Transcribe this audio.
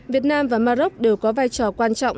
việt nam và maroc đều có vai trò quan trọng